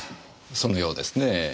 そのようですねぇ。